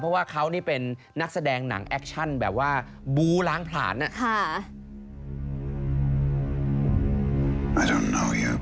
เพราะว่าเขานี่เป็นนักแสดงหนังแอคชั่นแบบว่าบูล้างผลาญอ่ะ